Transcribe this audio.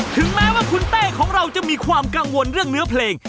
ถึงแม้ว่าคุณเต้ของเราจะมีความกังวลเรื่องเนื้อเพลง